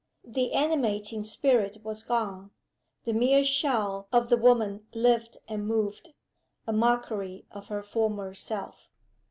The animating spirit was gone the mere shell of the woman lived and moved, a mockery of her former self.